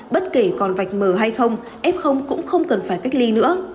bất kể còn vạch mờ hay không f cũng không cần phải cách ly nữa